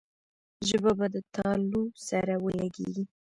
ژبه به د تالو سره ولګېږي.